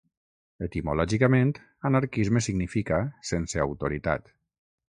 Etimològicament, anarquisme significa ‘sense autoritat’.